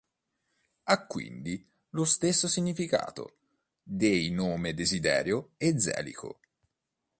Ha quindi lo stesso significato dei nome Desiderio e Željko.